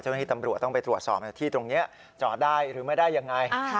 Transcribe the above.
เจ้าหน้าที่ตำรวจต้องไปตรวจสอบที่ตรงนี้จอดได้หรือไม่ได้ยังไง